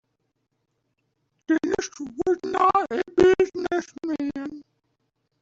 Dennis was not a business man.